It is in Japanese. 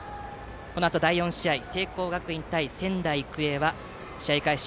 このあと第４試合聖光学院対仙台育英は試合開始